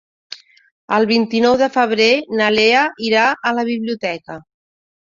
El vint-i-nou de febrer na Lea irà a la biblioteca.